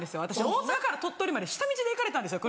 大阪から鳥取まで下道で行かれたんですよ